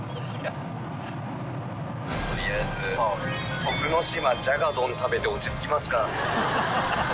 取りあえず徳之島じゃがどん食べて落ち着きますか。